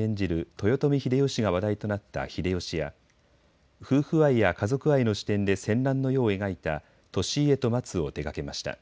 豊臣秀吉が話題となった秀吉や夫婦愛や家族愛の視点で戦乱の世を描いた利家とまつを手がけました。